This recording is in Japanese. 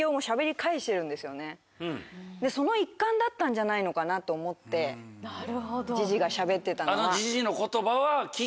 その一環だったんじゃないのかなと思ってジジがしゃべってたのは。